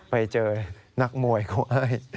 ไปเจอนักมวยครับ